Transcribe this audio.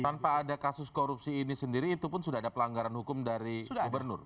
tanpa ada kasus korupsi ini sendiri itu pun sudah ada pelanggaran hukum dari gubernur